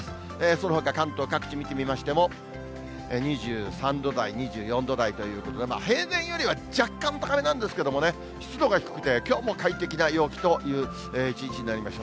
そのほか関東各地見てみましても、２３度台、２４度台ということで、平年よりは若干高めなんですけどね、湿度が低くて、きょうも快適な陽気という一日になりました。